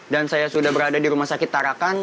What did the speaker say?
dan saya sudah berada di rumah sakit tarakan